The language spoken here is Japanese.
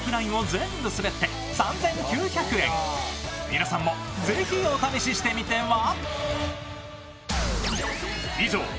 皆さんもぜひお試ししてみては？